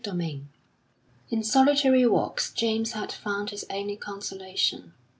XXII In solitary walks James had found his only consolation.